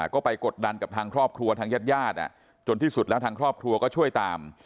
ก็ไปกดดันกับทางครอบครัวทางญาติญาติจนที่สุดแล้วทางครอบครัวก็ช่วยตาม